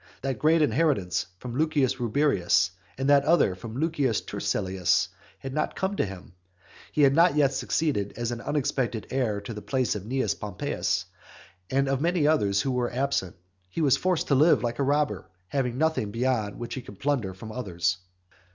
That great inheritance from Lucius Rubrius, and that other from Lucius Turselius, had not yet come to him. He had not yet succeeded as an unexpected heir to the place of Cnaeus Pompeius, and of many others who were absent. He was forced to live like a robber, having nothing beyond what he could plunder from others.